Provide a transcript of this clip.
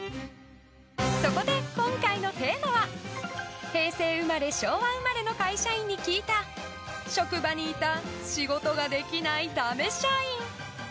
そこで、今回のテーマは平成生まれ・昭和生まれの会社員に聞いた職場にいた仕事ができないダメ社員！